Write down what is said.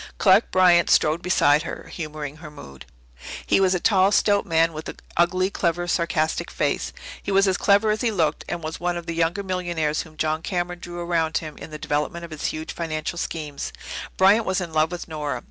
Clark Bryant strode beside her, humouring her mood. He was a tall, stout man, with an ugly, clever, sarcastic face. He was as clever as he looked, and was one of the younger millionaires whom John Cameron drew around him in the development of his huge financial schemes. Bryant was in love with Nora.